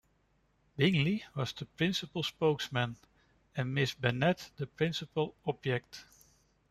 Bingley was the principal spokesman, and Miss Bennet the principal object.